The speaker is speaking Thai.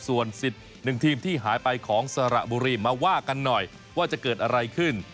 ส่วนสิทธิ์หนึ่งทีมที่หายไปของสระบุรีมาว่ากันหน่อยว่าจะเกิดอะไรขึ้น